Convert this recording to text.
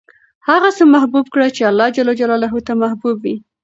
هغه څه محبوب کړه چې اللهﷻ ته محبوب وي.